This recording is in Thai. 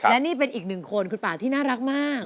และนี่เป็นอีกหนึ่งคนคุณป่าที่น่ารักมาก